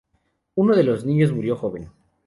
Uno de los niños murió joven.